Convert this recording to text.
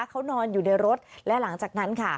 เขานอนอยู่ในรถและหลังจากนั้นค่ะ